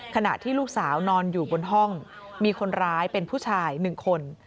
ขณะที่ลูกสาวนอนอยู่บนห้องมีคนร้ายเป็นผู้ชาย๑คน